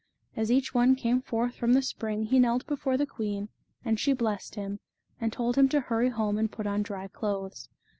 As each one came forth from the spring he knelt before the queen, and she blessed him, and told him to hurry home and put on dry clothes.